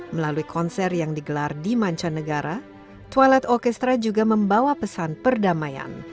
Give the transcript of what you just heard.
melalui konser yang digelar di mancanegara toilet orchestra juga membawa pesan perdamaian